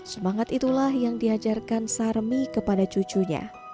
semangat itulah yang diajarkan sarmi kepada cucunya